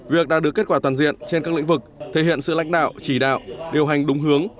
việc đạt được kết quả toàn diện trên các lĩnh vực thể hiện sự lãnh đạo chỉ đạo điều hành đúng hướng